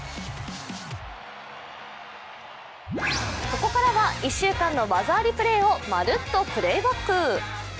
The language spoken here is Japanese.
ここからは１週間の技ありプレーをまるっとプレーバック。